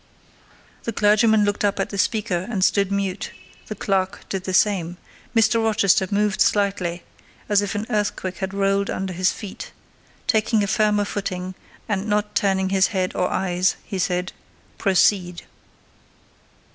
The clergyman looked up at the speaker and stood mute; the clerk did the same; Mr. Rochester moved slightly, as if an earthquake had rolled under his feet: taking a firmer footing, and not turning his head or eyes, he said, "Proceed."